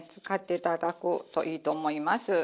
使って頂くといいと思います。